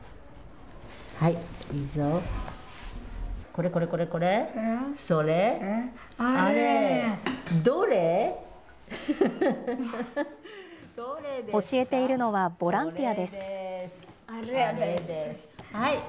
これこれこれ、それ、教えているのは、ボランティＯＫ。